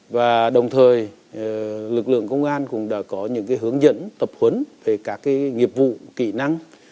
và đồng thời lực lượng công an cũng đã có những hướng dẫn tập huấn về các nghiệp vụ kỹ năng